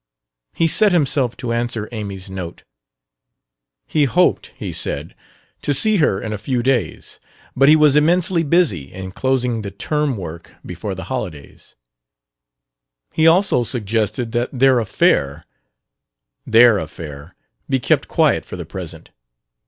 He set himself to answer Amy's note. He hoped, he said, to see her in a few days, but he was immensely busy in closing the term work before the holidays; he also suggested that their affair "their" affair! be kept quiet for the present.